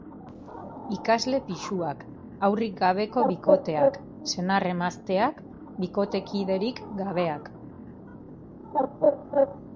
Ikasle pisuak, haurrik gabeko bikoteak, senar-emazteak, bikotekiderik gabeak.